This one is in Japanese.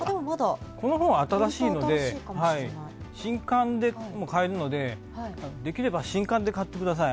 この本は新しいので新刊でも買えるのでできれば新刊で買ってください。